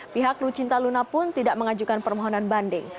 pihak lucinta luna pun tidak mengajukan permohonan banding